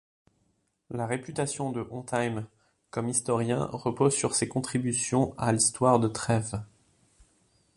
La réputation de Hontheim comme historien repose sur ses contributions à l'histoire de Trèves.